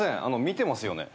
見てますよね？